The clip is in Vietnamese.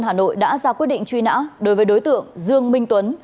hà nội đã ra quyết định truy nã đối với đối tượng dương minh tuấn